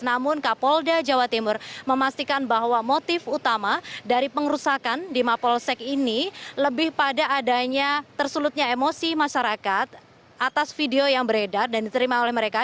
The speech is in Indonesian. namun kapolda jawa timur memastikan bahwa motif utama dari pengerusakan di mapolsek ini lebih pada adanya tersulutnya emosi masyarakat atas video yang beredar dan diterima oleh mereka